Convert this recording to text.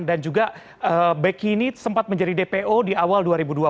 dan juga bekini sempat menjadi dpo di awal dua ribu dua puluh dua